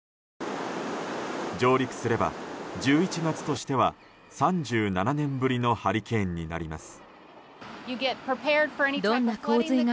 上陸すれば１１月としては３７年ぶりのハリケーンになります。